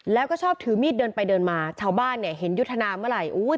แล้วก็ชอบถือมีดเดินไปเดินมาชาวบ้านเนี่ยเห็นยุทธนาเมื่อไหร่